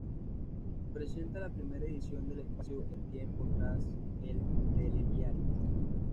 Presenta la primera edición del espacio "El Tiempo", tras el Telediario.